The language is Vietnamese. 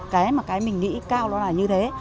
cái mà cái mình nghĩ cao đó là như thế